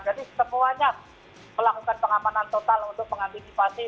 jadi semuanya melakukan pengamanan total untuk pengantisipasi